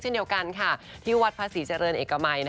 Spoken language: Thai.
เช่นเดียวกันที่วัดพระศรีเจริญเอกมัย